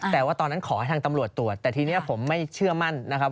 แต่ว่าตอนนั้นขอให้ทางตำรวจตรวจแต่ทีนี้ผมไม่เชื่อมั่นนะครับ